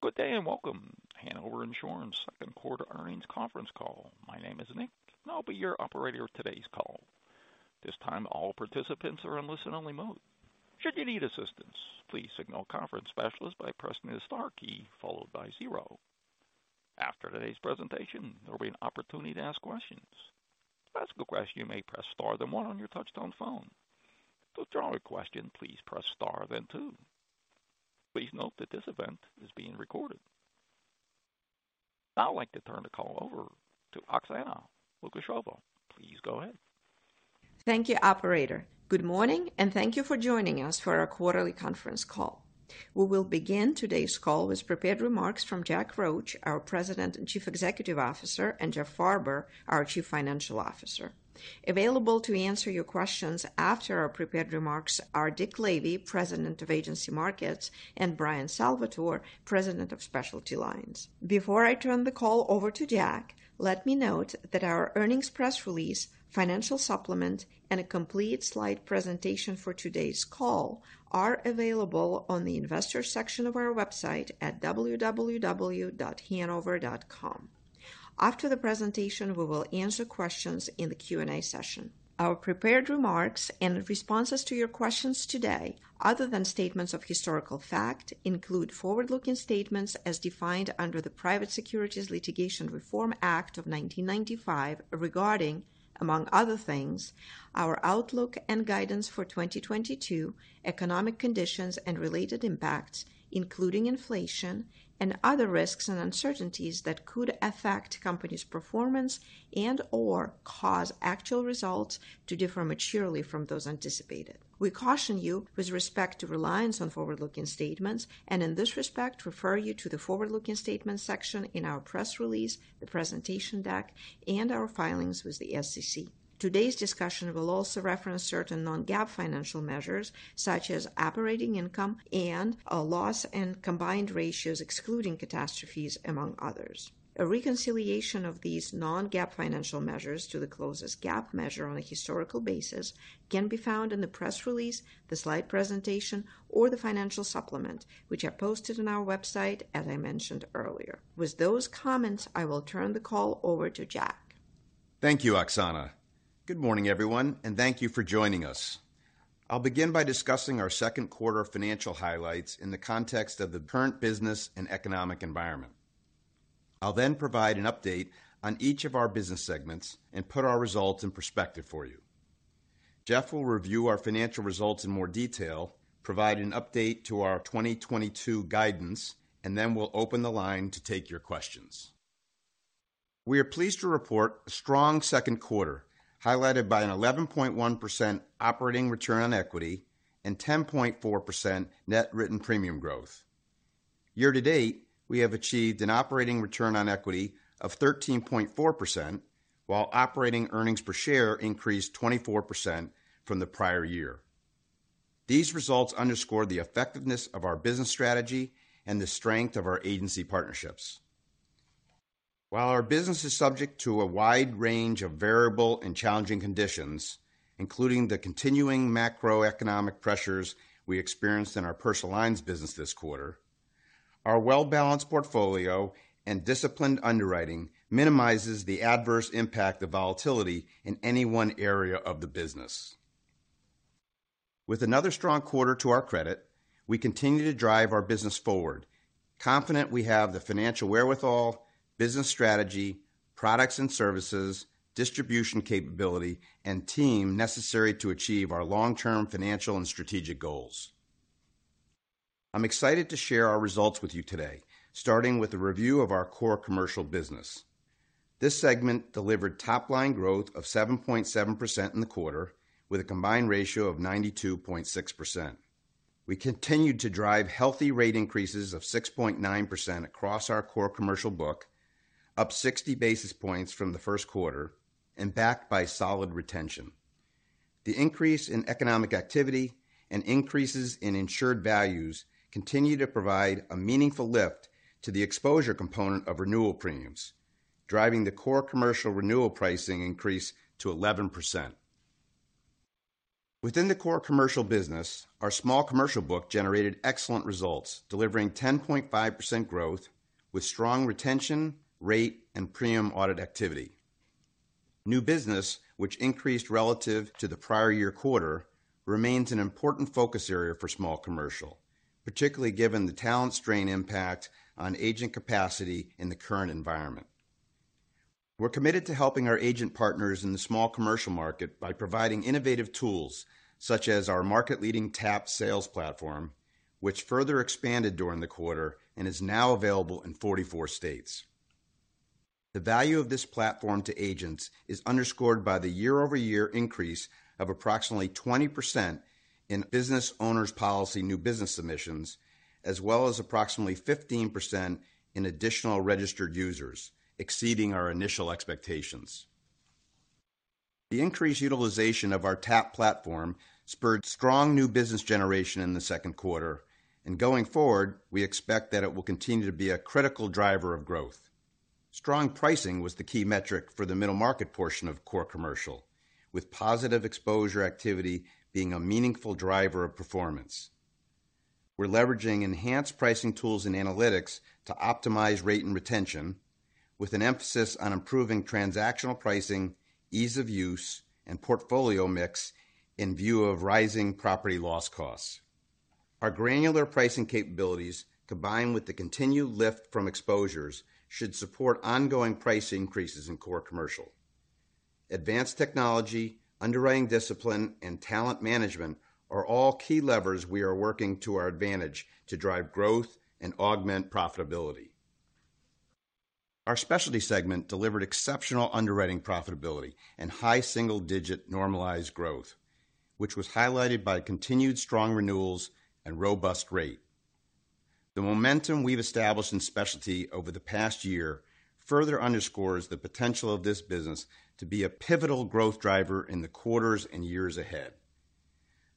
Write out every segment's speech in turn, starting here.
Good day and welcome to Hanover Insurance Second Quarter Earnings Conference Call. My name is Nick, and I'll be your operator of today's call. This time, all participants are in listen-only mode. Should you need assistance, please signal a conference specialist by pressing the star key followed by zero. After today's presentation, there will be an opportunity to ask questions. To ask a question, you may press star then one on your touch-tone phone. To withdraw a question, please press star then two. Please note that this event is being recorded. Now I'd like to turn the call over to Oksana Lukasheva. Please go ahead. Thank you, operator. Good morning, and thank you for joining us for our quarterly conference call. We will begin today's call with prepared remarks from Jack Roche, our President and Chief Executive Officer, and Jeff Farber, our Chief Financial Officer. Available to answer your questions after our prepared remarks are Dick Lavey, President of Agency Markets, and Bryan Salvatore, President of Specialty Lines. Before I turn the call over to Jack, let me note that our earnings press release, financial supplement, and a complete slide presentation for today's call are available on the investor section of our website at www.hanover.com. After the presentation, we will answer questions in the Q&A session. Our prepared remarks and responses to your questions today, other than statements of historical fact, include forward-looking statements as defined under the Private Securities Litigation Reform Act of 1995 regarding, among other things, our outlook and guidance for 2022, economic conditions and related impacts, including inflation and other risks and uncertainties that could affect the company's performance and/or cause actual results to differ materially from those anticipated. We caution you with respect to reliance on forward-looking statements and in this respect, refer you to the forward-looking statements section in our press release, the presentation deck, and our filings with the SEC. Today's discussion will also reference certain non-GAAP financial measures such as operating income and loss and combined ratios excluding catastrophes, among others. A reconciliation of these non-GAAP financial measures to the closest GAAP measure on a historical basis can be found in the press release, the slide presentation or the financial supplement, which are posted on our website, as I mentioned earlier. With those comments, I will turn the call over to Jack. Thank you, Oksana. Good morning, everyone, and thank you for joining us. I'll begin by discussing our second quarter financial highlights in the context of the current business and economic environment. I'll then provide an update on each of our business segments and put our results in perspective for you. Jeff will review our financial results in more detail, provide an update to our 2022 guidance, and then we'll open the line to take your questions. We are pleased to report a strong second quarter, highlighted by an 11.1% operating return on equity and 10.4% net written premium growth. Year-to-date, we have achieved an operating return on equity of 13.4%, while operating earnings per share increased 24% from the prior year. These results underscore the effectiveness of our business strategy and the strength of our agency partnerships. While our business is subject to a wide range of variable and challenging conditions, including the continuing macroeconomic pressures we experienced in our personal lines business this quarter, our well-balanced portfolio and disciplined underwriting minimizes the adverse impact of volatility in any one area of the business. With another strong quarter to our credit, we continue to drive our business forward, confident we have the financial wherewithal, business strategy, products and services, distribution capability, and team necessary to achieve our long-term financial and strategic goals. I'm excited to share our results with you today, starting with a review of our core commercial business. This segment delivered top-line growth of 7.7% in the quarter with a combined ratio of 92.6%. We continued to drive healthy rate increases of 6.9% across our core commercial book, up 60 basis points from the first quarter and backed by solid retention. The increase in economic activity and increases in insured values continue to provide a meaningful lift to the exposure component of renewal premiums, driving the core commercial renewal pricing increase to 11%. Within the core commercial business, our small commercial book generated excellent results, delivering 10.5% growth with strong retention, rate, and premium audit activity. New business, which increased relative to the prior year quarter, remains an important focus area for small commercial, particularly given the talent strain impact on agent capacity in the current environment. We're committed to helping our agent partners in the small commercial market by providing innovative tools such as our market-leading TAP Sales platform, which further expanded during the quarter and is now available in 44 states. The value of this platform to agents is underscored by the year-over-year increase of approximately 20% in business owners' policy new business submissions, as well as approximately 15% in additional registered users, exceeding our initial expectations. The increased utilization of our TAP Sales platform spurred strong new business generation in the second quarter. Going forward, we expect that it will continue to be a critical driver of growth. Strong pricing was the key metric for the middle market portion of core commercial, with positive exposure activity being a meaningful driver of performance. We're leveraging enhanced pricing tools and analytics to optimize rate and retention with an emphasis on improving transactional pricing, ease of use, and portfolio mix in view of rising property loss costs. Our granular pricing capabilities, combined with the continued lift from exposures, should support ongoing price increases in core commercial. Advanced technology, underwriting discipline, and talent management are all key levers we are working to our advantage to drive growth and augment profitability. Our specialty segment delivered exceptional underwriting profitability and high single-digit normalized growth, which was highlighted by continued strong renewals and robust rate. The momentum we've established in specialty over the past year further underscores the potential of this business to be a pivotal growth driver in the quarters and years ahead.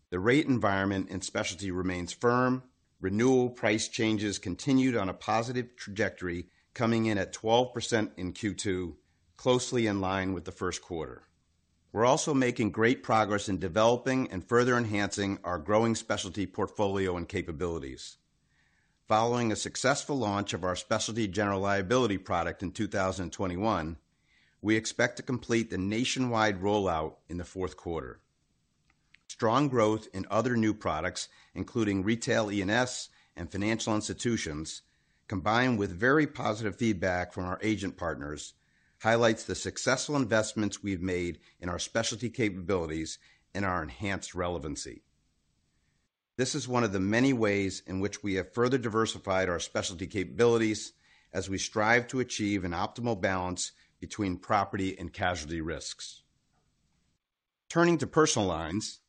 The rate environment in specialty remains firm. Renewal price changes continued on a positive trajectory, coming in at 12% in Q2, closely in line with the first quarter. We're also making great progress in developing and further enhancing our growing specialty portfolio and capabilities. Following a successful launch of our specialty general liability product in 2021, we expect to complete the nationwide rollout in the fourth quarter. Strong growth in other new products, including retail E&S and financial institutions, combined with very positive feedback from our agent partners, highlights the successful investments we've made in our specialty capabilities and our enhanced relevancy. This is one of the many ways in which we have further diversified our specialty capabilities as we strive to achieve an optimal balance between property and casualty risks. Turning to personal lines,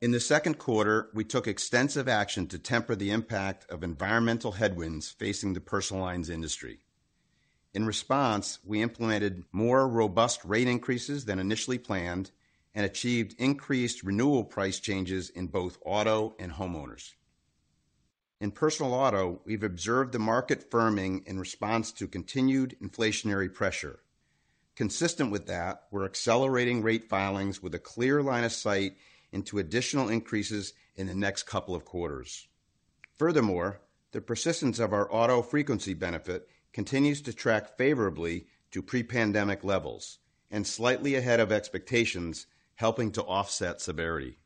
in the second quarter, we took extensive action to temper the impact of environmental headwinds facing the personal lines industry. In response, we implemented more robust rate increases than initially planned and achieved increased renewal price changes in both auto and homeowners. In personal auto, we've observed the market firming in response to continued inflationary pressure. Consistent with that, we're accelerating rate filings with a clear line of sight into additional increases in the next couple of quarters. Furthermore, the persistence of our auto frequency benefit continues to track favorably to pre-pandemic levels and slightly ahead of expectations, helping to offset severity.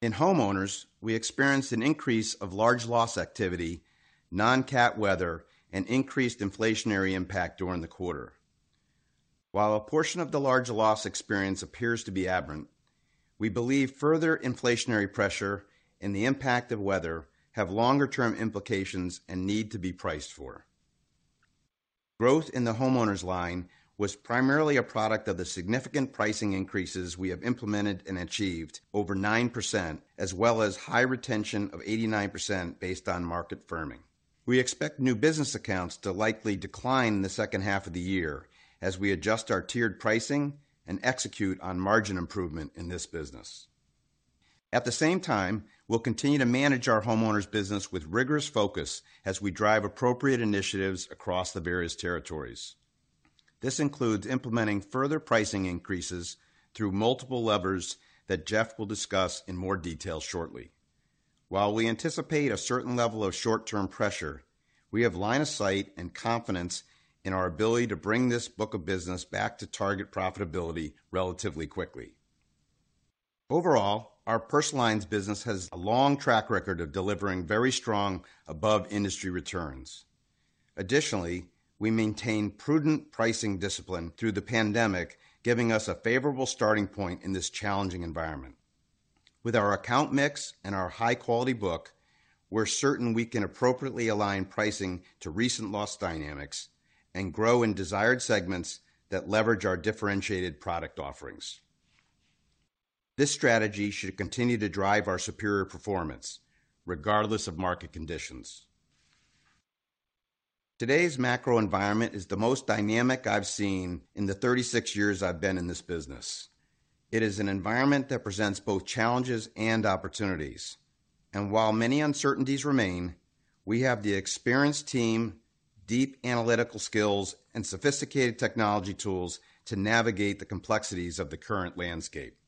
In homeowners, we experienced an increase of large loss activity, non-cat weather, and increased inflationary impact during the quarter. While a portion of the large loss experience appears to be aberrant, we believe further inflationary pressure and the impact of weather have longer-term implications and need to be priced for. Growth in the homeowners line was primarily a product of the significant pricing increases we have implemented and achieved over 9% as well as high retention of 89% based on market firming. We expect new business accounts to likely decline in the second half of the year as we adjust our tiered pricing and execute on margin improvement in this business. At the same time, we'll continue to manage our homeowners business with rigorous focus as we drive appropriate initiatives across the various territories. This includes implementing further pricing increases through multiple levers that Jeff will discuss in more detail shortly. While we anticipate a certain level of short-term pressure, we have line of sight and confidence in our ability to bring this book of business back to target profitability relatively quickly. Overall, our personal lines business has a long track record of delivering very strong above-industry returns. Additionally, we maintain prudent pricing discipline through the pandemic, giving us a favorable starting point in this challenging environment. With our account mix and our high-quality book, we're certain we can appropriately align pricing to recent loss dynamics and grow in desired segments that leverage our differentiated product offerings. This strategy should continue to drive our superior performance regardless of market conditions. Today's macro environment is the most dynamic I've seen in the 36 years I've been in this business. It is an environment that presents both challenges and opportunities. While many uncertainties remain, we have the experienced team, deep analytical skills, and sophisticated technology tools to navigate the complexities of the current landscape.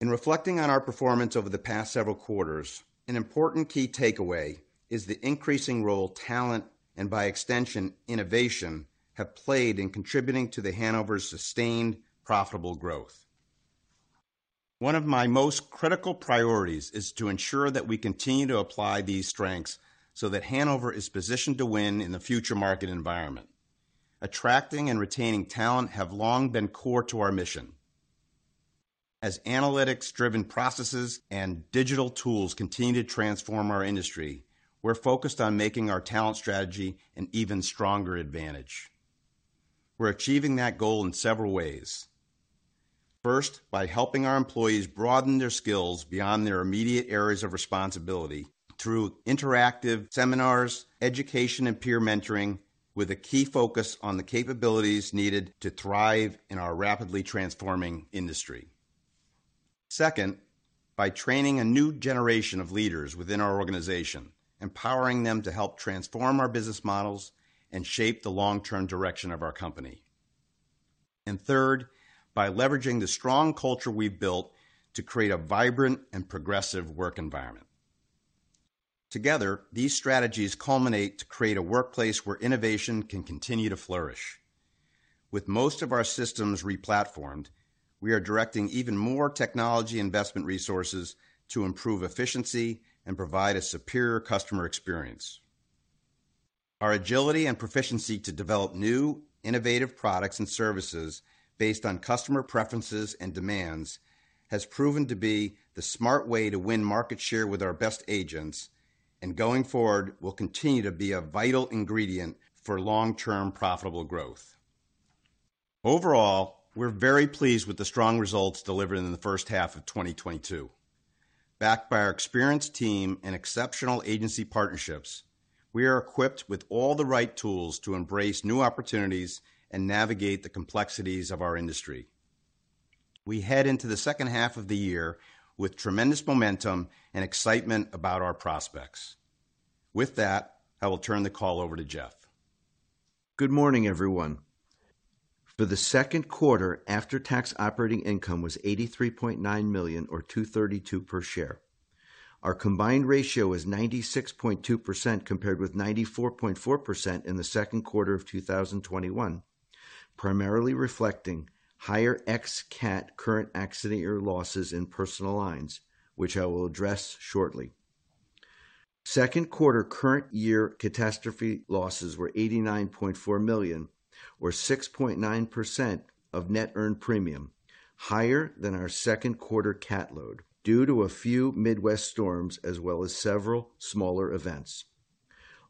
In reflecting on our performance over the past several quarters, an important key takeaway is the increasing role talent, and by extension innovation, have played in contributing to The Hanover's sustained profitable growth. One of my most critical priorities is to ensure that we continue to apply these strengths so that Hanover is positioned to win in the future market environment. Attracting and retaining talent have long been core to our mission. As analytics-driven processes and digital tools continue to transform our industry, we're focused on making our talent strategy an even stronger advantage. We're achieving that goal in several ways. First, by helping our employees broaden their skills beyond their immediate areas of responsibility through interactive seminars, education, and peer mentoring with a key focus on the capabilities needed to thrive in our rapidly transforming industry. Second, by training a new generation of leaders within our organization, empowering them to help transform our business models and shape the long-term direction of our company. Third, by leveraging the strong culture we've built to create a vibrant and progressive work environment. Together, these strategies culminate to create a workplace where innovation can continue to flourish. With most of our systems re-platformed, we are directing even more technology investment resources to improve efficiency and provide a superior customer experience. Our agility and proficiency to develop new, innovative products and services based on customer preferences and demands has proven to be the smart way to win market share with our best agents, and going forward will continue to be a vital ingredient for long-term profitable growth. Overall, we're very pleased with the strong results delivered in the first half of 2022. Backed by our experienced team and exceptional agency partnerships, we are equipped with all the right tools to embrace new opportunities and navigate the complexities of our industry. We head into the second half of the year with tremendous momentum and excitement about our prospects. With that, I will turn the call over to Jeff. Good morning, everyone. For the second quarter, after-tax operating income was $83.9 million or $2.32 per share. Our combined ratio is 96.2% compared with 94.4% in the second quarter of 2021, primarily reflecting higher ex cat current accident year losses in personal lines, which I will address shortly. Second quarter current year catastrophe losses were $89.4 million or 6.9% of net earned premium, higher than our second quarter cat load due to a few Midwest storms as well as several smaller events.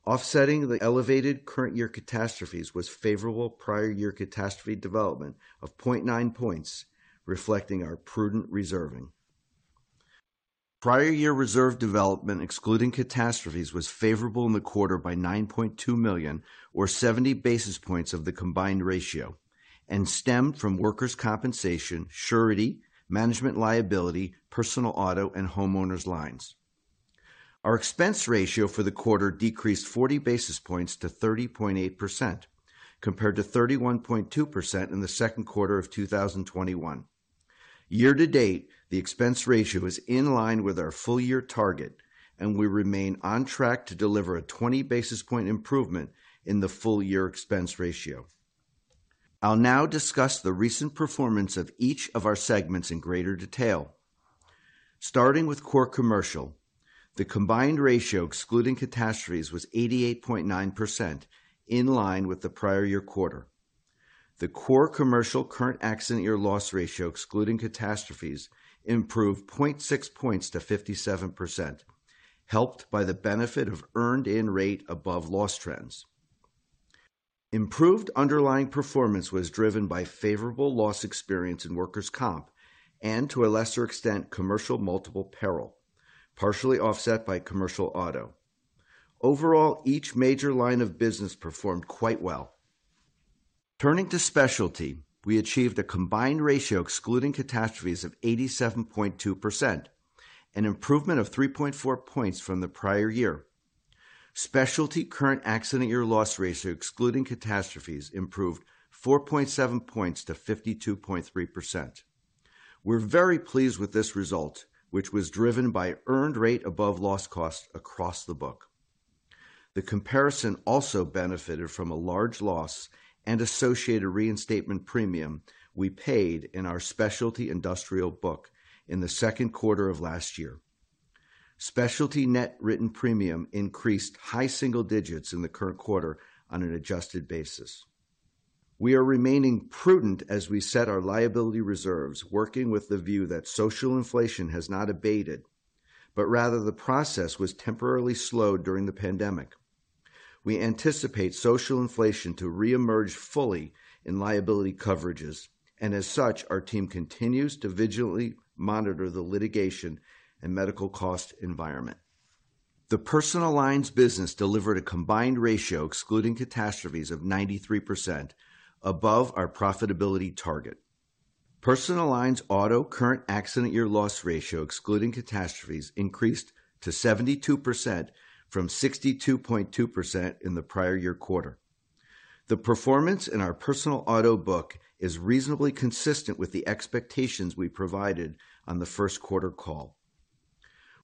Offsetting the elevated current year catastrophes was favorable prior year catastrophe development of 0.9 points reflecting our prudent reserving. Prior year reserve development excluding catastrophes was favorable in the quarter by $9.2 million or 70 basis points of the combined ratio and stemmed from workers' compensation, surety, management liability, personal auto, and homeowners' lines. Our expense ratio for the quarter decreased 40 basis points to 30.8% compared to 31.2% in the second quarter of 2021. Year to date, the expense ratio is in line with our full year target, and we remain on track to deliver a 20 basis point improvement in the full year expense ratio. I'll now discuss the recent performance of each of our segments in greater detail. Starting with core commercial, the combined ratio excluding catastrophes was 88.9% in line with the prior year quarter. The core commercial current accident year loss ratio excluding catastrophes improved 0.6 points to 57%, helped by the benefit of earned in rate above loss trends. Improved underlying performance was driven by favorable loss experience in workers' comp and to a lesser extent, commercial multiple peril, partially offset by commercial auto. Overall, each major line of business performed quite well. Turning to specialty, we achieved a combined ratio excluding catastrophes of 87.2%, an improvement of 3.4 points from the prior year. Specialty current accident year loss ratio excluding catastrophes improved 4.7 points to 52.3%. We're very pleased with this result, which was driven by earned rate above loss cost across the book. The comparison also benefited from a large loss and associated reinstatement premium we paid in our specialty industrial book in the second quarter of last year. Specialty net written premium increased high single digits in the current quarter on an adjusted basis. We are remaining prudent as we set our liability reserves, working with the view that social inflation has not abated, but rather the process was temporarily slowed during the pandemic. We anticipate social inflation to reemerge fully in liability coverages, and as such, our team continues to vigilantly monitor the litigation and medical cost environment. The personal lines business delivered a combined ratio excluding catastrophes of 93% above our profitability target. Personal lines auto current accident year loss ratio excluding catastrophes increased to 72% from 62.2% in the prior year quarter. The performance in our personal auto book is reasonably consistent with the expectations we provided on the first quarter call.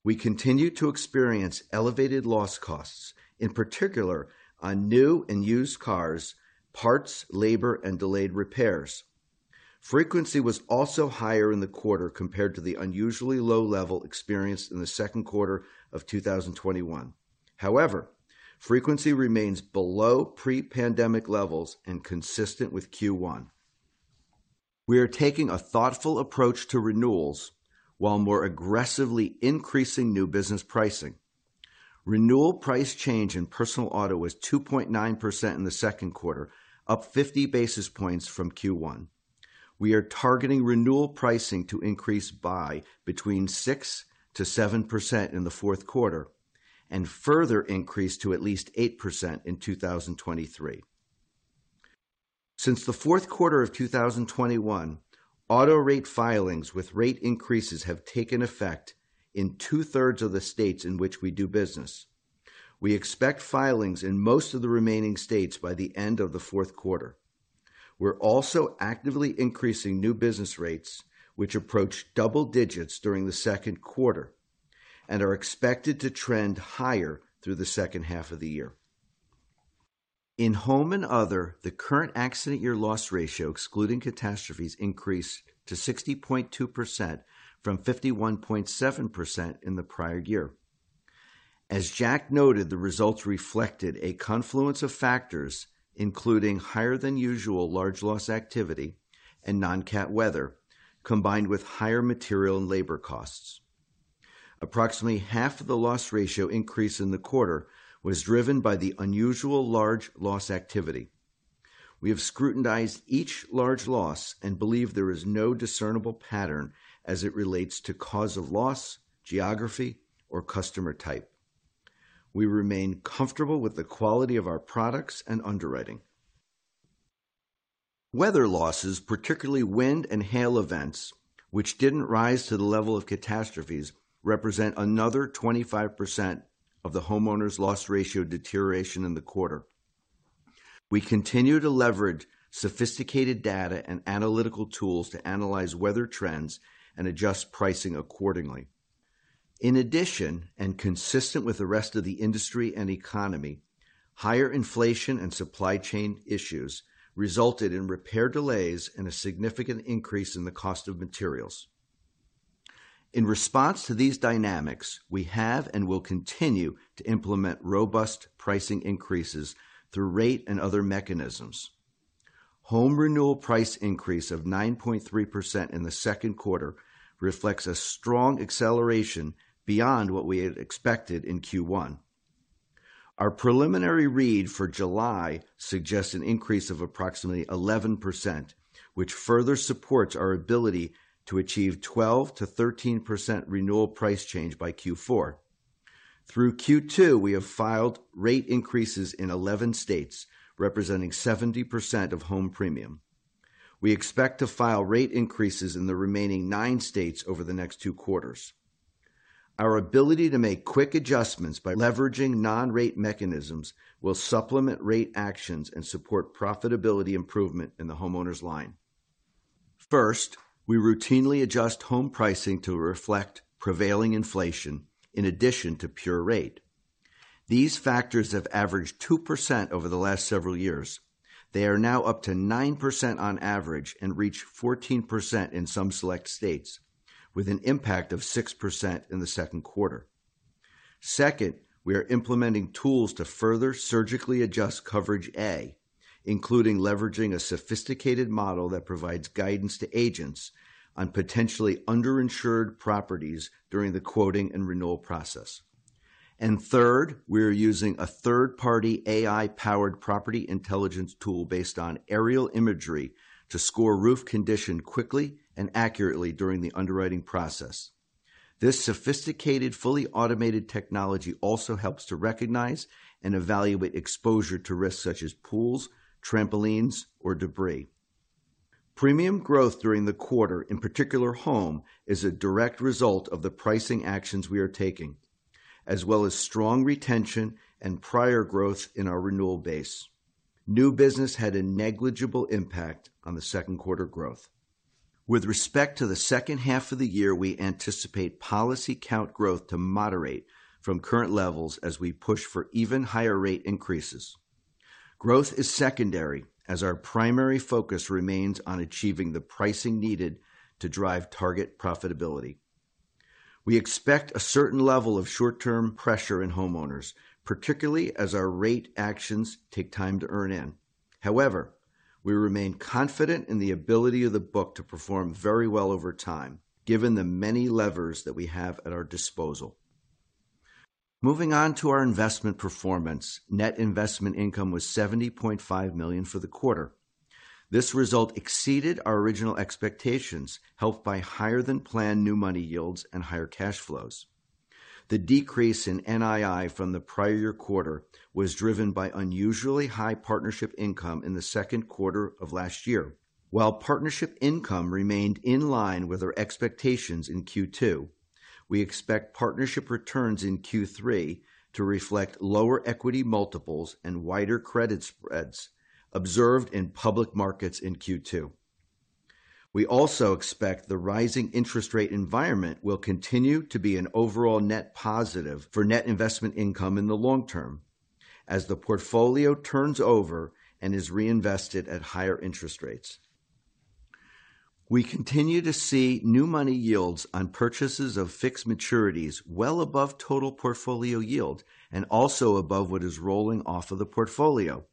We continue to experience elevated loss costs, in particular on new and used cars, parts, labor, and delayed repairs. Frequency was also higher in the quarter compared to the unusually low level experienced in the second quarter of 2021. However, frequency remains below pre-pandemic levels and consistent with Q1. We are taking a thoughtful approach to renewals while more aggressively increasing new business pricing. Renewal price change in personal auto was 2.9% in the second quarter, up 50 basis points from Q1. We are targeting renewal pricing to increase by between 6%-7% in the fourth quarter and further increase to at least 8% in 2023. Since the fourth quarter of 2021, auto rate filings with rate increases have taken effect in 2/3 of the states in which we do business. We expect filings in most of the remaining states by the end of the fourth quarter. We're also actively increasing new business rates, which approach double digits during the second quarter and are expected to trend higher through the second half of the year. In Home and Other, the current accident year loss ratio, excluding catastrophes, increased to 60.2% from 51.7% in the prior year. As Jack noted, the results reflected a confluence of factors, including higher than usual large loss activity and non-cat weather, combined with higher material and labor costs. Approximately half of the loss ratio increase in the quarter was driven by the unusual large loss activity. We have scrutinized each large loss and believe there is no discernible pattern as it relates to cause of loss, geography, or customer type. We remain comfortable with the quality of our products and underwriting. Weather losses, particularly wind and hail events, which didn't rise to the level of catastrophes, represent another 25% of the homeowners loss ratio deterioration in the quarter. We continue to leverage sophisticated data and analytical tools to analyze weather trends and adjust pricing accordingly. In addition, and consistent with the rest of the industry and economy, higher inflation and supply chain issues resulted in repair delays and a significant increase in the cost of materials. In response to these dynamics, we have and will continue to implement robust pricing increases through rate and other mechanisms. Home renewal price increase of 9.3% in the second quarter reflects a strong acceleration beyond what we had expected in Q1. Our preliminary read for July suggests an increase of approximately 11%, which further supports our ability to achieve 12%-13% renewal price change by Q4. Through Q2, we have filed rate increases in 11 states, representing 70% of home premium. We expect to file rate increases in the remaining nine states over the next two quarters. Our ability to make quick adjustments by leveraging non-rate mechanisms will supplement rate actions and support profitability improvement in the homeowners line. First, we routinely adjust home pricing to reflect prevailing inflation in addition to pure rate. These factors have averaged 2% over the last several years. They are now up to 9% on average and reach 14% in some select states, with an impact of 6% in the second quarter. Second, we are implementing tools to further surgically adjust Coverage A, including leveraging a sophisticated model that provides guidance to agents on potentially underinsured properties during the quoting and renewal process. Third, we are using a third-party AI-powered property intelligence tool based on aerial imagery to score roof condition quickly and accurately during the underwriting process. This sophisticated, fully automated technology also helps to recognize and evaluate exposure to risks such as pools, trampolines, or debris. Premium growth during the quarter, in particular home, is a direct result of the pricing actions we are taking, as well as strong retention and prior growth in our renewal base. New business had a negligible impact on the second quarter growth. With respect to the second half of the year, we anticipate policy count growth to moderate from current levels as we push for even higher rate increases. Growth is secondary as our primary focus remains on achieving the pricing needed to drive target profitability. We expect a certain level of short-term pressure in homeowners, particularly as our rate actions take time to earn in. However, we remain confident in the ability of the book to perform very well over time, given the many levers that we have at our disposal. Moving on to our investment performance, net investment income was $70.5 million for the quarter. This result exceeded our original expectations, helped by higher than planned new money yields and higher cash flows. The decrease in NII from the prior year quarter was driven by unusually high partnership income in the second quarter of last year. While partnership income remained in line with our expectations in Q2, we expect partnership returns in Q3 to reflect lower equity multiples and wider credit spreads observed in public markets in Q2. We also expect the rising interest rate environment will continue to be an overall net positive for net investment income in the long term as the portfolio turns over and is reinvested at higher interest rates. We continue to see new money yields on purchases of fixed maturities well above total portfolio yield and also above what is rolling off of the portfolio.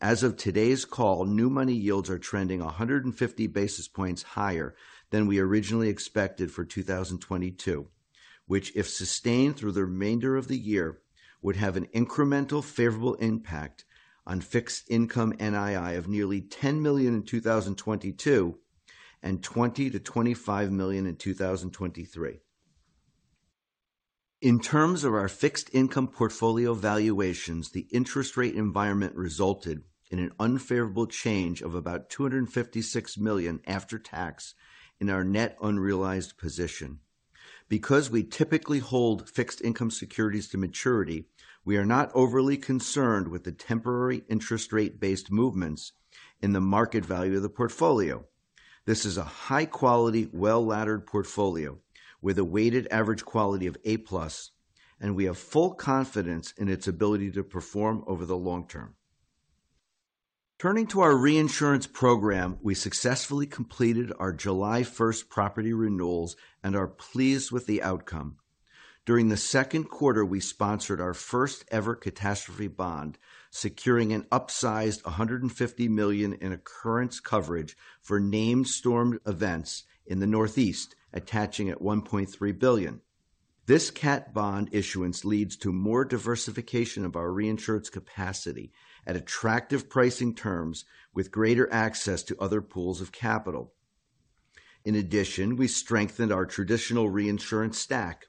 As of today's call, new money yields are trending 150 basis points higher than we originally expected for 2022, which if sustained through the remainder of the year, would have an incremental favorable impact on fixed income NII of nearly $10 million in 2022 and $20 million-$25 million in 2023. In terms of our fixed income portfolio valuations, the interest rate environment resulted in an unfavorable change of about $256 million after tax in our net unrealized position. Because we typically hold fixed income securities to maturity, we are not overly concerned with the temporary interest rate-based movements in the market value of the portfolio. This is a high-quality, well-laddered portfolio with a weighted average quality of A+, and we have full confidence in its ability to perform over the long term. Turning to our reinsurance program, we successfully completed our July 1st property renewals and are pleased with the outcome. During the second quarter, we sponsored our first ever catastrophe bond, securing an upsized $150 million in occurrence coverage for named storm events in the Northeast, attaching at $1.3 billion. This cat bond issuance leads to more diversification of our reinsurance capacity at attractive pricing terms with greater access to other pools of capital. In addition, we strengthened our traditional reinsurance stack.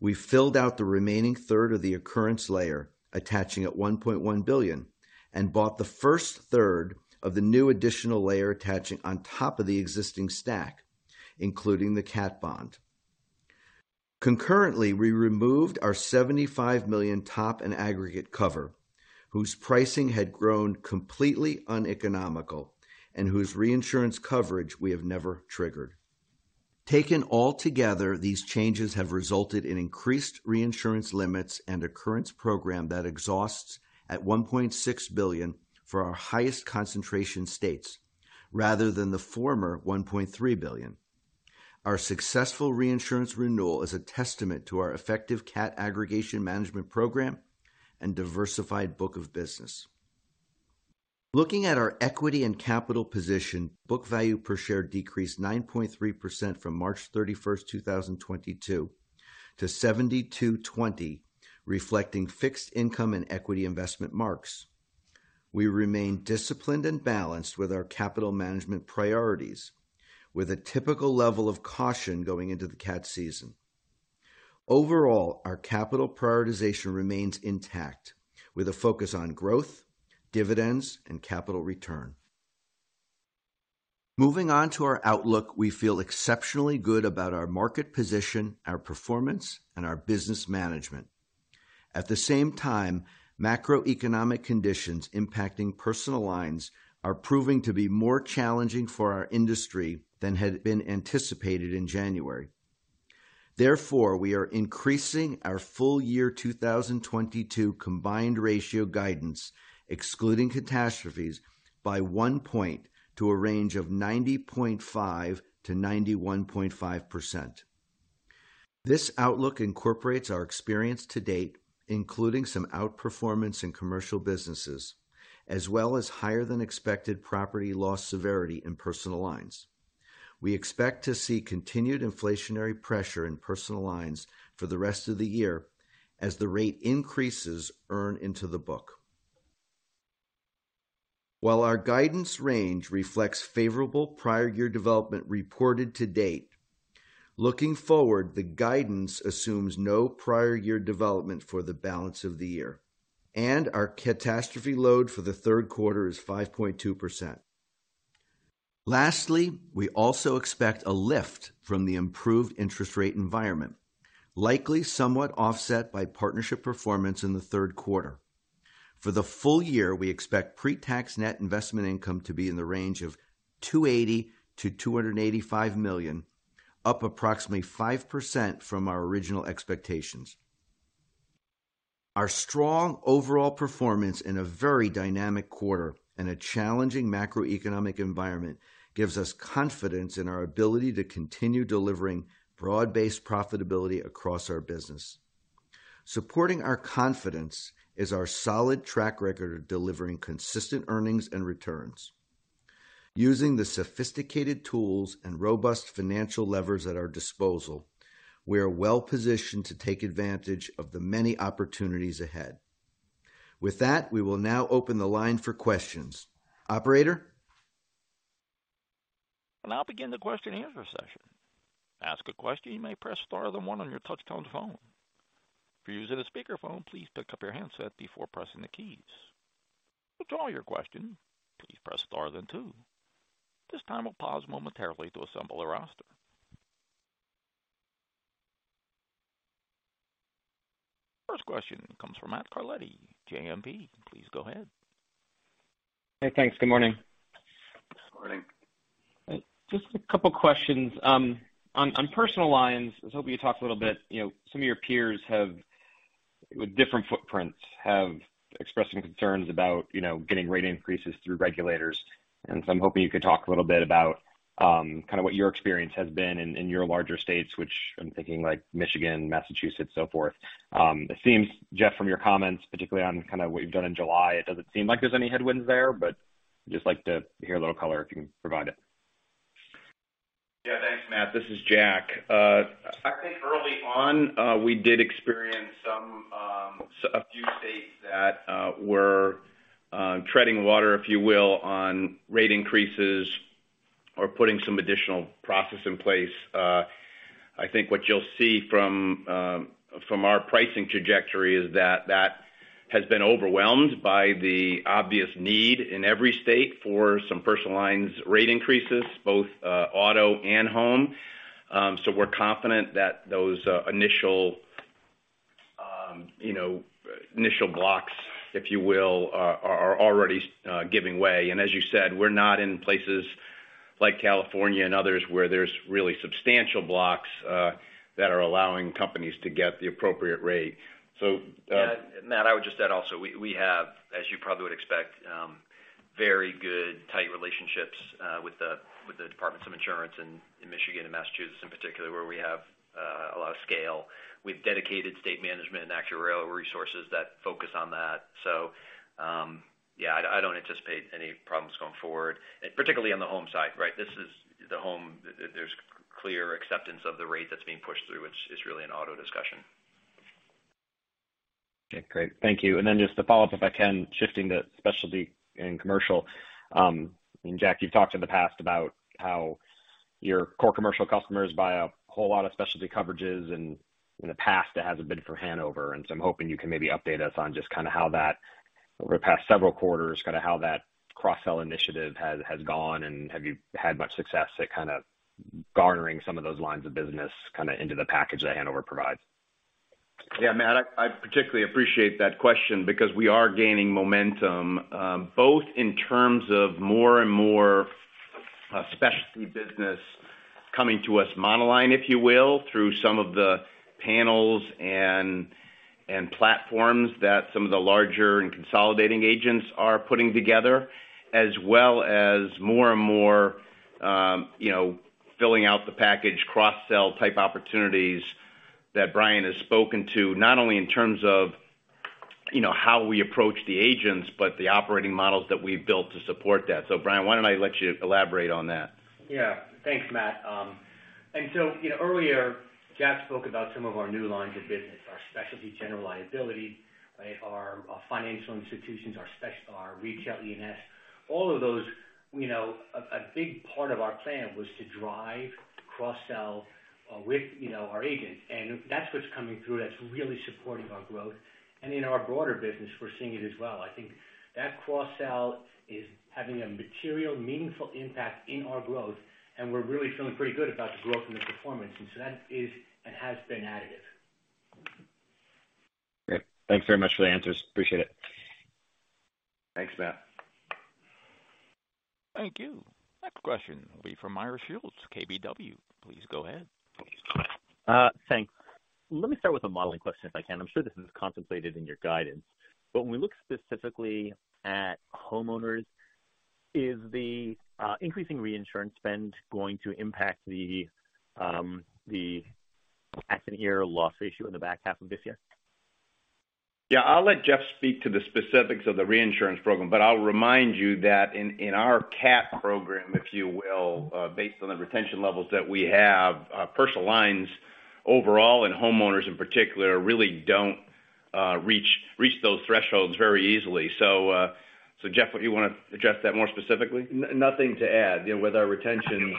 We filled out the remaining third of the occurrence layer, attaching at $1.1 billion, and bought the first third of the new additional layer attaching on top of the existing stack, including the cat bond. Concurrently, we removed our $75 million top and aggregate cover, whose pricing had grown completely uneconomical and whose reinsurance coverage we have never triggered. Taken all together, these changes have resulted in increased reinsurance limits and occurrence program that exhausts at $1.6 billion for our highest concentration states rather than the former $1.3 billion. Our successful reinsurance renewal is a testament to our effective cat aggregation management program and diversified book of business. Looking at our equity and capital position, book value per share decreased 9.3% from March 31st, 2022 to $72.20, reflecting fixed income and equity investment marks. We remain disciplined and balanced with our capital management priorities, with a typical level of caution going into the cat season. Overall, our capital prioritization remains intact with a focus on growth, dividends, and capital return. Moving on to our outlook, we feel exceptionally good about our market position, our performance, and our business management. At the same time, macroeconomic conditions impacting personal lines are proving to be more challenging for our industry than had been anticipated in January. Therefore, we are increasing our full year 2022 combined ratio guidance, excluding catastrophes, by 1 point to a range of 90.5%-91.5%. This outlook incorporates our experience to date, including some outperformance in commercial businesses as well as higher than expected property loss severity in personal lines. We expect to see continued inflationary pressure in personal lines for the rest of the year as the rate increases earn into the book. While our guidance range reflects favorable prior year development reported to date, looking forward, the guidance assumes no prior year development for the balance of the year, and our catastrophe load for the third quarter is 5.2%. Lastly, we also expect a lift from the improved interest rate environment, likely somewhat offset by partnership performance in the third quarter. For the full year, we expect pre-tax net investment income to be in the range of $280 million-$285 million, up approximately 5% from our original expectations. Our strong overall performance in a very dynamic quarter and a challenging macroeconomic environment gives us confidence in our ability to continue delivering broad-based profitability across our business. Supporting our confidence is our solid track record of delivering consistent earnings and returns. Using the sophisticated tools and robust financial levers at our disposal, we are well-positioned to take advantage of the many opportunities ahead. With that, we will now open the line for questions. Operator. I'll now begin the question-and-answer session. To ask a question, you may press star then one on your touchtone phone. If you're using a speakerphone, please pick up your handset before pressing the keys. To withdraw your question, please press star then two. At this time, we'll pause momentarily to assemble a roster. First question comes from Matt Carletti, JMP. Please go ahead. Hey, thanks. Good morning. Good morning. Just a couple questions. On personal lines, I was hoping you talk a little bit, you know, some of your peers have with different footprints have expressed some concerns about, you know, getting rate increases through regulators. I'm hoping you could talk a little bit about, kind of what your experience has been in your larger states, which I'm thinking like Michigan, Massachusetts, so forth. It seems, Jeff, from your comments, particularly on kind of what you've done in July, it doesn't seem like there's any headwinds there, but just like to hear a little color if you can provide it. Yeah. Thanks, Matt. This is Jack. I think early on, we did experience some. A few states that were treading water, if you will, on rate increases or putting some additional process in place. I think what you'll see from our pricing trajectory is that that has been overwhelmed by the obvious need in every state for some personal lines rate increases, both auto and home. We're confident that those initial, you know, initial blocks, if you will, are already giving way. As you said, we're not in places like California and others where there's really substantial blocks that are allowing companies to get the appropriate rate. Yeah, Matt, I would just add also, we have, as you probably would expect, very good, tight relationships with the Departments of Insurance in Michigan and Massachusetts in particular, where we have a lot of scale. We have dedicated state management and actuarial resources that focus on that. So, yeah, I don't anticipate any problems going forward, and particularly on the home side, right? This is the home, there's clear acceptance of the rate that's being pushed through, which is really an auto discussion. Okay, great. Thank you. Then just to follow up, if I can, shifting to specialty and commercial. Jack, you've talked in the past about how your core commercial customers buy a whole lot of specialty coverages, and in the past, that hasn't been for Hanover. I'm hoping you can maybe update us on just kind of how that, over the past several quarters, kind of how that cross-sell initiative has gone, and have you had much success at kind of garnering some of those lines of business kind of into the package that Hanover provides? Yeah, Matt, I particularly appreciate that question because we are gaining momentum, both in terms of more and more specialty business coming to us monoline, if you will, through some of the panels and platforms that some of the larger and consolidating agents are putting together, as well as more and more, you know, filling out the package, cross-sell type opportunities that Bryan has spoken to, not only in terms of, you know, how we approach the agents, but the operating models that we've built to support that. So Bryan, why don't I let you elaborate on that? Yeah. Thanks, Matt. You know, earlier, Jack spoke about some of our new lines of business, our specialty general liability, right, our financial institutions, our retail E&S. All of those, you know, a big part of our plan was to drive cross-sell with you know, our agents. That's what's coming through that's really supporting our growth. In our broader business, we're seeing it as well. I think that cross-sell is having a material meaningful impact in our growth, and we're really feeling pretty good about the growth and the performance. That is and has been additive. Great. Thanks very much for the answers. Appreciate it. Thanks, Matt. Thank you. Next question will be from Meyer Shields, KBW. Please go ahead. Thanks. Let me start with a modeling question, if I can. I'm sure this is contemplated in your guidance. When we look specifically at homeowners, is the increasing reinsurance spend going to impact the accident year loss ratio in the back half of this year? Yeah, I'll let Jeff speak to the specifics of the reinsurance program, but I'll remind you that in our cat program, if you will, personal lines overall and homeowners in particular really don't reach those thresholds very easily. Jeff, you wanna address that more specifically? Nothing to add. You know, with our retention,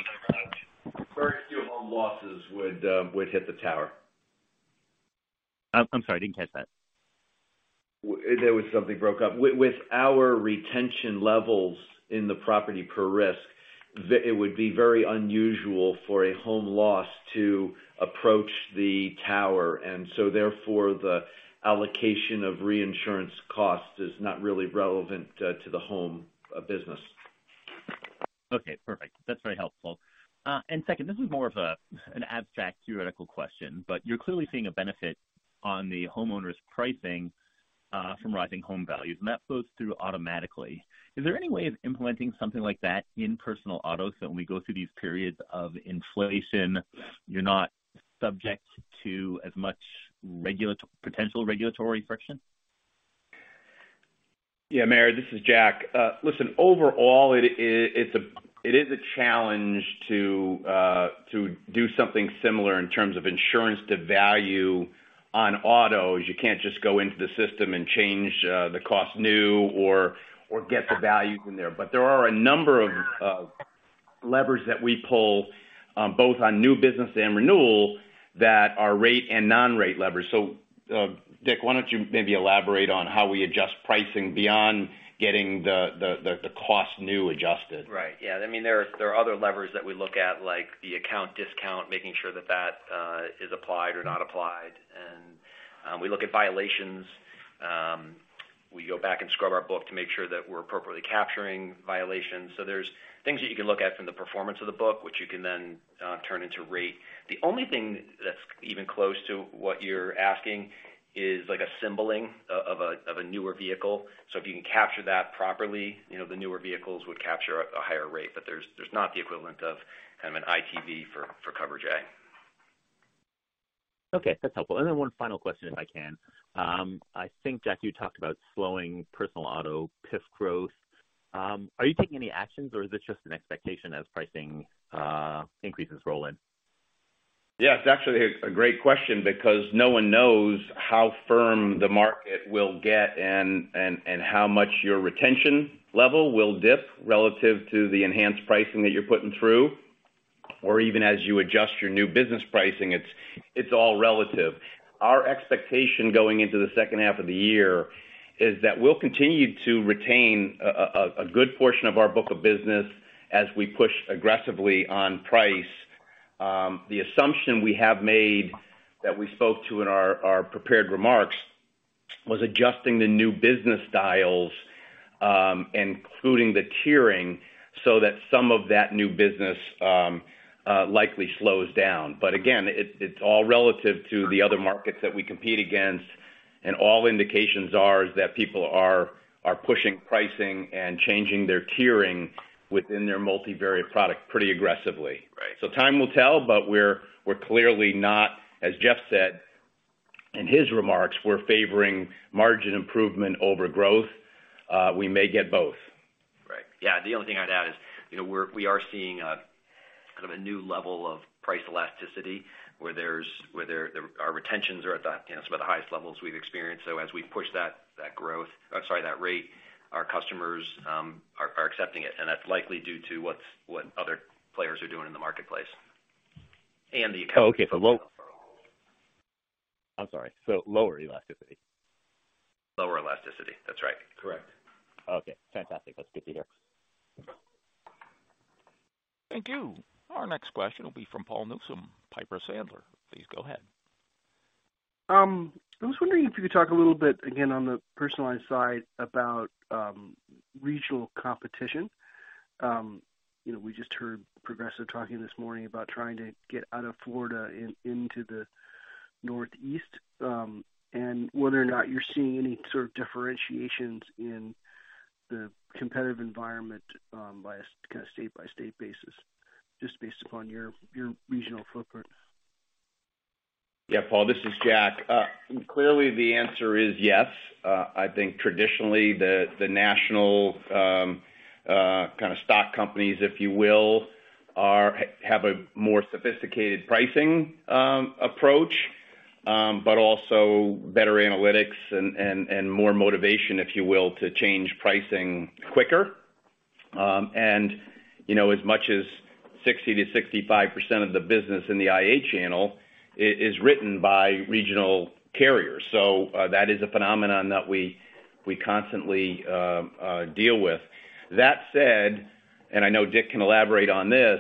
first few home losses would hit the tower. I'm sorry, I didn't catch that. With our retention levels in the property per risk, it would be very unusual for a home loss to approach the tower. Therefore, the allocation of reinsurance costs is not really relevant to the home business. Okay, perfect. That's very helpful. Second, this is more of a, an abstract theoretical question, but you're clearly seeing a benefit on the homeowners pricing, from rising home values, and that flows through automatically. Is there any way of implementing something like that in personal auto, so when we go through these periods of inflation, you're not subject to as much potential regulatory friction? Yeah, Meyer, this is Jack. Listen, overall it's a challenge to do something similar in terms of insurance to value on auto, as you can't just go into the system and change the cost new or get the values in there. There are a number of levers that we pull both on new business and renewal that are rate and non-rate levers. Dick, why don't you maybe elaborate on how we adjust pricing beyond getting the cost new adjusted? Right. Yeah, I mean, there are other levers that we look at, like the account discount, making sure that is applied or not applied. We look at violations. We go back and scrub our book to make sure that we're appropriately capturing violations. There's things that you can look at from the performance of the book, which you can then turn into rate. The only thing that's even close to what you're asking is like a symboling of a newer vehicle. If you can capture that properly, you know, the newer vehicles would capture a higher rate. There's not the equivalent of kind of an ITV for Coverage A. Okay, that's helpful. One final question, if I can. I think, Jack, you talked about slowing personal auto PIF growth. Are you taking any actions, or is this just an expectation as pricing increases roll in? Yeah, it's actually a great question because no one knows how firm the market will get and how much your retention level will dip relative to the enhanced pricing that you're putting through or even as you adjust your new business pricing. It's all relative. Our expectation going into the second half of the year is that we'll continue to retain a good portion of our book of business as we push aggressively on price. The assumption we have made that we spoke to in our prepared remarks was adjusting the new business dials, including the tiering, so that some of that new business likely slows down. Again, it's all relative to the other markets that we compete against, and all indications are that people are pushing pricing and changing their tiering within their multivariate product pretty aggressively. Right. Time will tell, but we're clearly not. As Jeff said in his remarks, we're favoring margin improvement over growth. We may get both. Right. Yeah. The only thing I'd add is, you know, we are seeing a kind of a new level of price elasticity where our retentions are at the, you know, some of the highest levels we've experienced. So as we push that rate, our customers are accepting it, and that's likely due to what other players are doing in the marketplace. Oh, okay. I'm sorry. Lower elasticity. Lower elasticity. That's right. Correct. Okay, fantastic. That's good to hear. Thank you. Our next question will be from Paul Newsome, Piper Sandler. Please go ahead. I was wondering if you could talk a little bit again on the personalized side about regional competition. You know, we just heard Progressive talking this morning about trying to get out of Florida and into the Northeast, and whether or not you're seeing any sort of differentiations in the competitive environment by a kinda state-by-state basis, just based upon your regional footprint. Yeah, Paul, this is Jack. Clearly the answer is yes. I think traditionally the national kinda stock companies, if you will, have a more sophisticated pricing approach, but also better analytics and more motivation, if you will, to change pricing quicker. You know, as much as 60%-65% of the business in the IA channel is written by regional carriers. That is a phenomenon that we constantly deal with. That said, I know Dick can elaborate on this,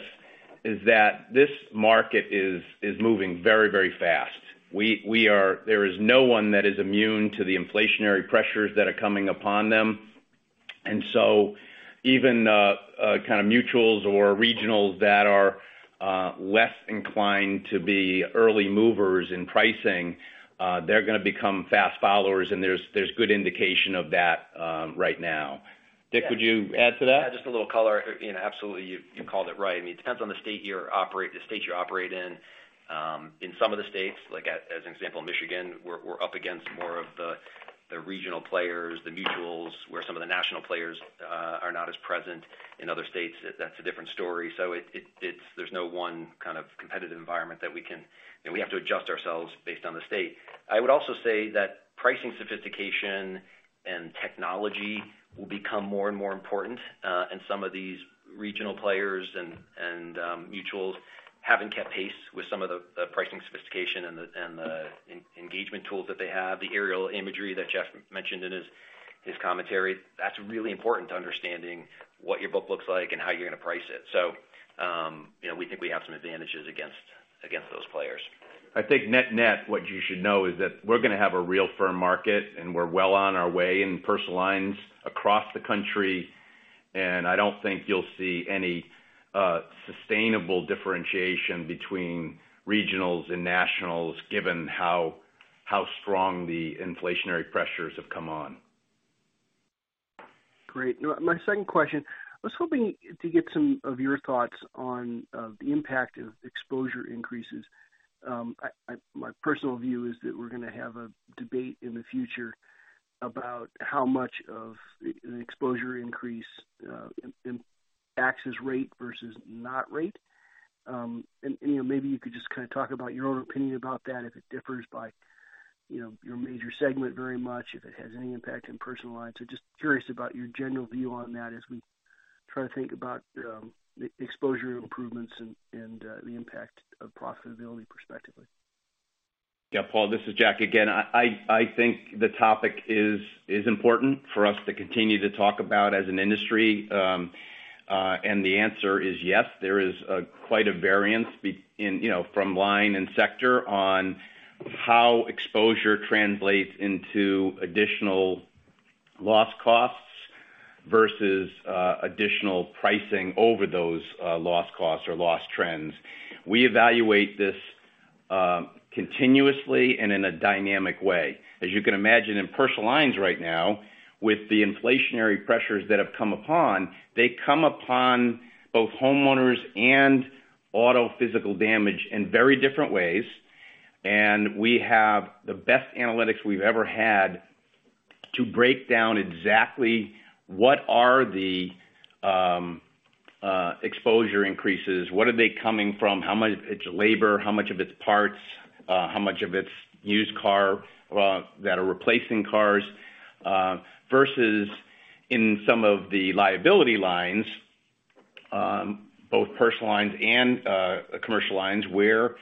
is that this market is moving very, very fast. There is no one that is immune to the inflationary pressures that are coming upon them. Even kind of mutuals or regionals that are less inclined to be early movers in pricing, they're gonna become fast followers, and there's good indication of that right now. Dick, would you add to that? Yeah, just a little color. You know, absolutely, you called it right. I mean, it depends on the state you operate in. In some of the states, like, as an example, in Michigan, we're up against more of the regional players, the mutuals, where some of the national players are not as present. In other states, that's a different story. It is—there's no one kind of competitive environment that we can. You know, we have to adjust ourselves based on the state. I would also say that pricing sophistication and technology will become more and more important, and some of these regional players and mutuals haven't kept pace with some of the pricing sophistication and the engagement tools that they have. The aerial imagery that Jeff mentioned in his commentary, that's really important to understanding what your book looks like and how you're gonna price it. You know, we think we have some advantages against those players. I think net-net, what you should know is that we're gonna have a real firm market, and we're well on our way in personal lines across the country, and I don't think you'll see any sustainable differentiation between regionals and nationals, given how strong the inflationary pressures have come on. Great. My second question, I was hoping to get some of your thoughts on the impact of exposure increases. My personal view is that we're gonna have a debate in the future about how much of an exposure increase impacts rate versus non-rate. You know, maybe you could just kinda talk about your own opinion about that, if it differs by your major segment very much, if it has any impact in personal lines. Just curious about your general view on that as we try to think about exposure improvements and the impact on profitability prospectively. Yeah. Paul, this is Jack again. I think the topic is important for us to continue to talk about as an industry. The answer is yes, there is quite a variance in, you know, from line and sector on how exposure translates into additional loss costs versus additional pricing over those loss costs or loss trends. We evaluate this continuously and in a dynamic way. As you can imagine in personal lines right now, with the inflationary pressures that have come upon both homeowners and auto physical damage in very different ways. We have the best analytics we've ever had to break down exactly what are the exposure increases, what are they coming from, how much it's labor, how much of it's parts, how much of it's used car that are replacing cars, versus in some of the liability lines, both personal lines and commercial lines, where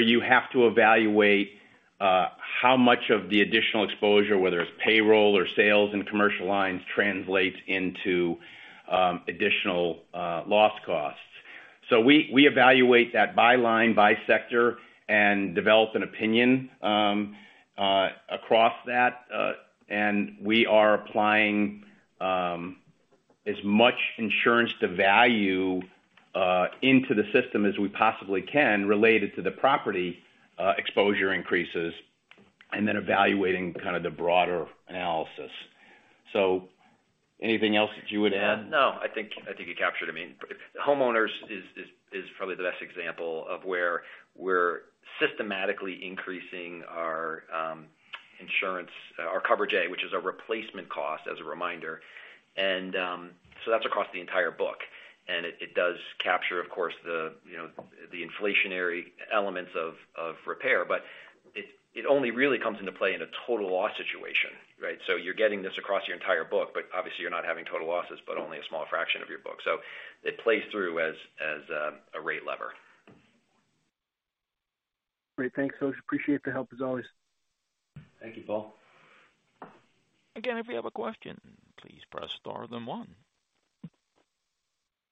you have to evaluate how much of the additional exposure, whether it's payroll or sales in commercial lines, translates into additional loss costs. We evaluate that by line, by sector and develop an opinion across that. We are applying as much insurance to value into the system as we possibly can, related to the property exposure increases and then evaluating kind of the broader analysis. Anything else that you would add? No, I think you captured. I mean, homeowners is probably the best example of where we're systematically increasing our insurance, our Coverage A, which is a replacement cost, as a reminder. So that's across the entire book, and it does capture, of course, you know, the inflationary elements of repair. But it only really comes into play in a total loss situation, right? So you're getting this across your entire book, but obviously you're not having total losses, but only a small fraction of your book. So it plays through as a rate lever. Great. Thanks, folks. Appreciate the help, as always. Thank you, Paul. Again, if you have a question, please press star then one.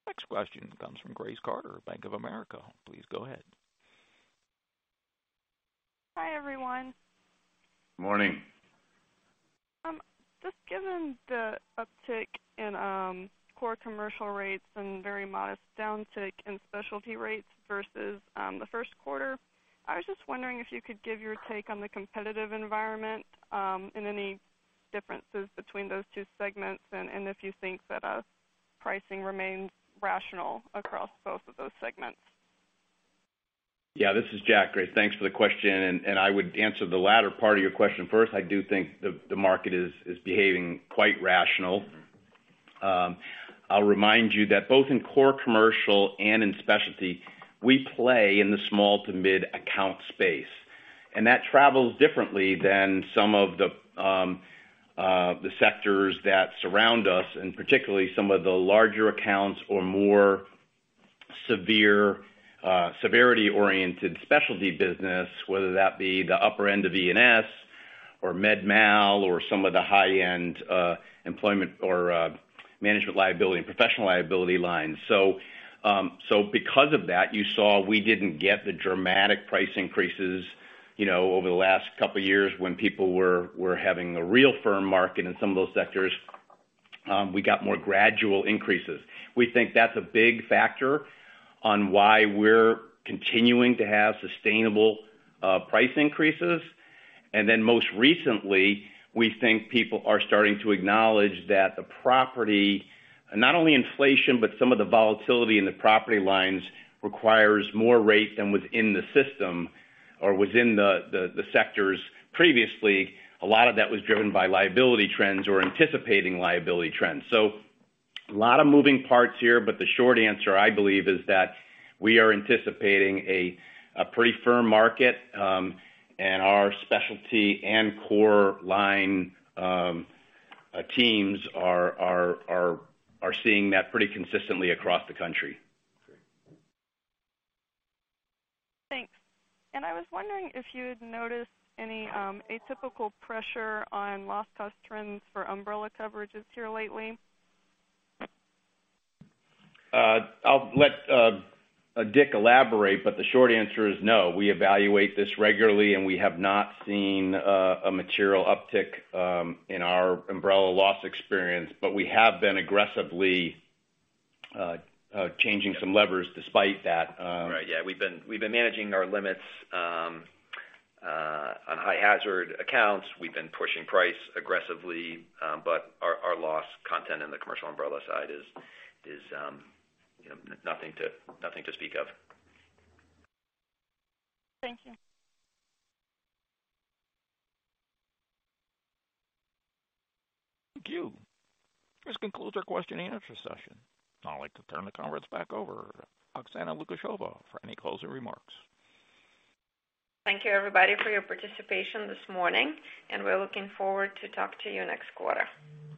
Next question comes from Grace Carter, Bank of America. Please go ahead. Hi, everyone. Morning. Just given the uptick in core commercial rates and very modest downtick in specialty rates versus the first quarter, I was just wondering if you could give your take on the competitive environment and any differences between those two segments and if you think that pricing remains rational across both of those segments. Yeah, this is Jack. Grace, thanks for the question. I would answer the latter part of your question first. I do think the market is behaving quite rational. I'll remind you that both in core commercial and in specialty, we play in the small to mid account space, and that travels differently than some of the sectors that surround us, and particularly some of the larger accounts or more severe severity-oriented specialty business, whether that be the upper end of E&S or Med Mal or some of the high-end employment or management liability and professional liability lines. Because of that, you saw we didn't get the dramatic price increases, you know, over the last couple of years when people were having a real firm market in some of those sectors. We got more gradual increases. We think that's a big factor on why we're continuing to have sustainable, price increases. Most recently, we think people are starting to acknowledge that the property, not only inflation, but some of the volatility in the property lines requires more rate than was in the system or was in the sectors previously. A lot of that was driven by liability trends or anticipating liability trends. A lot of moving parts here, but the short answer, I believe, is that we are anticipating a pretty firm market, and our specialty and core line teams are seeing that pretty consistently across the country. Thanks. I was wondering if you had noticed any atypical pressure on loss cost trends for umbrella coverages here lately. I'll let Dick elaborate, but the short answer is no. We evaluate this regularly, and we have not seen a material uptick in our umbrella loss experience. We have been aggressively changing some levers despite that. Right. Yeah. We've been managing our limits on high hazard accounts. We've been pushing price aggressively. Our loss content in the commercial umbrella side is, you know, nothing to speak of. Thank you. Thank you. This concludes our question-and-answer session. I'd like to turn the conference back over Oksana Lukasheva for any closing remarks. Thank you, everybody, for your participation this morning, and we're looking forward to talk to you next quarter.